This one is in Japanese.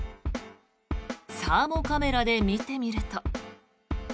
サーモカメラで見てみると。